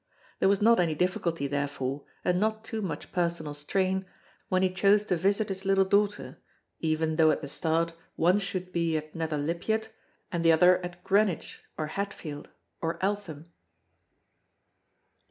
There was not any difficulty therefore, and not too much personal strain, when he chose to visit his little daughter even though at the start one should be at Nether Lypiat and the other at Greenwich or Hatfield or Eltham.